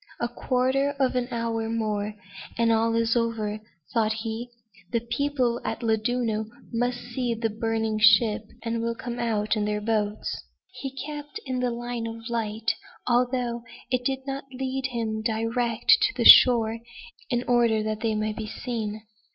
"A quarter of an hour more and all is over," thought he. "The people at Llandudno must see our burning ship, and will come out in their boats." He kept in the line of light, although it did not lead him direct to the shore, in order that they might be seen.